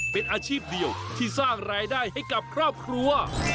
เป็นอาชีพเดียวที่สร้างรายได้ให้กับครอบครัว